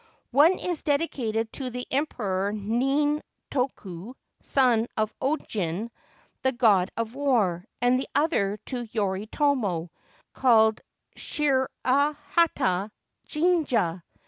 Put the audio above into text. One is dedicated to the Emperor Nintoku, son of Ojin, the God of War, and the other to Yoritomo, called Shirahata Jinja.